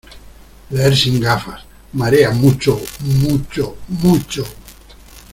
¡ leer sin gafas! ¡ marea mucho mucho mucho !